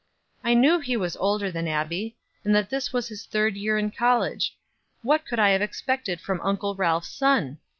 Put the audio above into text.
"I knew he was older than Abbie, and that this was his third year in college. What could I have expected from Uncle Ralph's son?